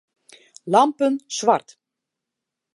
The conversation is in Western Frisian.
Lampen swart.